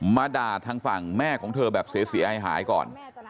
มาด่าทางฝั่งแม่ของเธอแบบเสียหายก่อน